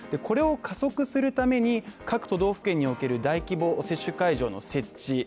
これを加速するために、各都道府県における大規模接種会場の設置